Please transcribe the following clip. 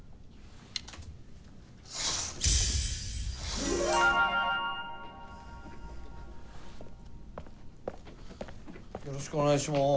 よろしくお願いします。